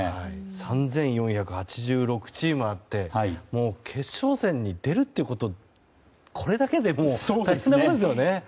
３４８６チームあって決勝戦に出るということこれだけで大変なことですよね。